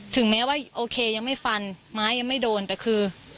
ถึงแม้ว่าโอเคยังไม่ฟันไม้ยังไม่โดนแต่คือ